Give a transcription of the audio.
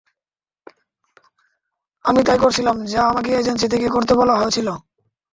আমি তাই করছিলাম যা আমাকে এজেন্সি থেকে করতে বলা হয়েছিল।